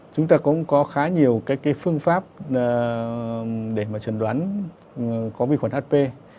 chúng ta cũng có khá nhiều phương pháp để chuẩn đoán có vi khuẩn hp